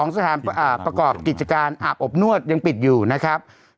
สถานประกอบกิจการอาบอบนวดยังปิดอยู่นะครับ